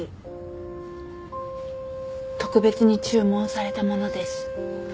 特別に注文されたものです。